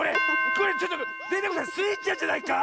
これちょっとデテコさんスイちゃんじゃないか